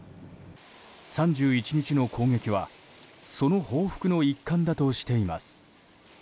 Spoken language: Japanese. ３１日の攻撃はその報復の一環だとしています。